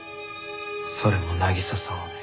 それも渚さんをね。